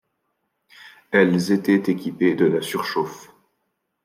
Elles étaient équipées de la surchauffe.